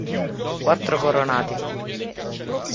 Quattro Coronati.